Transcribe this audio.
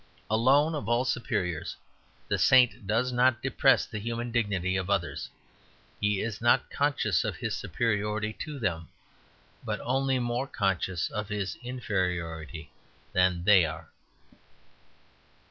Alone of all superiors, the saint does not depress the human dignity of others. He is not conscious of his superiority to them; but only more conscious of his inferiority than they are.